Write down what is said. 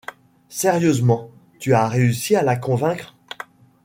Sérieusement, tu as réussi à la convaincre ?